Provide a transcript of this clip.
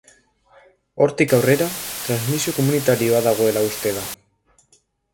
Hortik aurrera, transmisio komunitarioa dagoela uste da.